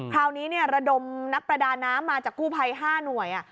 คราวนี้เนี้ยระดมนักประดาน้ำมาจากผ้ายห้านวยอ่ะ